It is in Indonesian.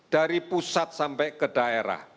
dari pusat sampai ke daerah